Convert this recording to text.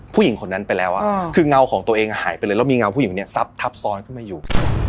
ผู้หญิงคนนั้นไปแล้วคือเงาของตัวเองหายไปเลยแล้วมีเงาผู้หญิงเนี่ยซับทับซ้อนขึ้นมาอยู่